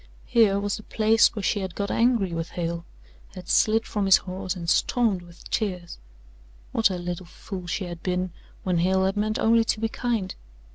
Here was the place where she had got angry with Hale, had slid from his horse and stormed with tears. What a little fool she had been when Hale had meant only to be kind!